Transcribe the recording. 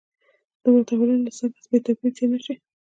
دومره تحولونو له څنګه بې توپیره تېر نه شي.